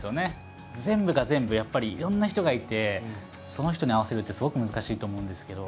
全部が全部やっぱりいろんな人がいてその人に合わせるってすごく難しいと思うんですけど。